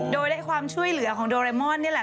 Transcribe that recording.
โดยได้ความช่วยเหลือของโดเรมอนนี่แหละ